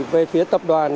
về phía tập đoàn